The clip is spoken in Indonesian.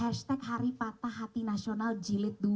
hashtag hari patah hati nasional jilid dua